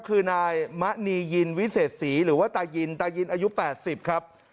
คือนายมะนียินวิเศษศรีหรือว่าตายินตายินอายุ๘๐ครับ